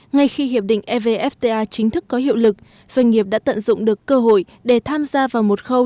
ngay khi hiệp định evfta chính thức có hiệu lực doanh nghiệp đã tận dụng được cơ hội để tham gia vào một khâu